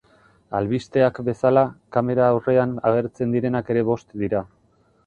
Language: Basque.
Albisteak bezala, kamera aurrean agertzen direnak ere bost dira.